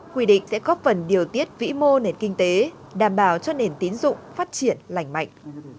quy định sẽ góp phần điều tiết vĩ mô nền kinh tế đảm bảo cho nền tín dụng phát triển lành mạnh